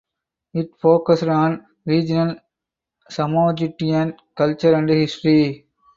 It focused on regional (Samogitian) culture and history.